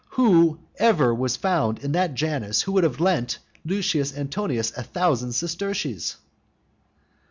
Who ever was found in that Janus who would have lent Lucius Antonius a thousand sesterces?